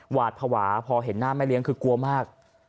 หวาดภาวะพอเห็นหน้าแม่เลี้ยงคือกลัวมาก